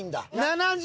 ７０？